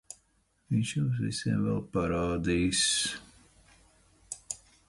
Viņš jums visiem vēl parādīs...